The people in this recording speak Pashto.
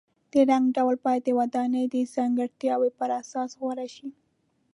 د رنګ ډول باید د ودانۍ د ځانګړتیاو پر اساس غوره شي.